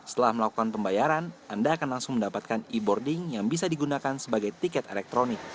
setelah melakukan pembayaran anda akan langsung mendapatkan e boarding yang bisa digunakan sebagai tiket elektronik